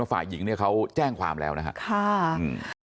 ว่าฝ่ายหญิงเนี้ยเขาแจ้งความแล้วนะฮะค่ะอืม